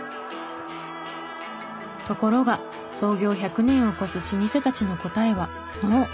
ところが創業１００年を超す老舗たちの答えはノー。